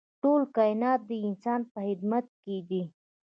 ټول کاینات د انسان په خدمت کې دي.